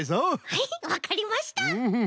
はいわかりました。